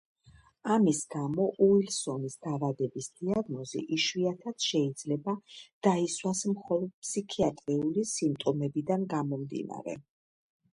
ამის გამო, უილსონის დაავადების დიაგნოზი იშვიათად შეიძლება დაისვას მხოლოდ ფსიქიატრიული სიმპტომებიდან გამომდინარე.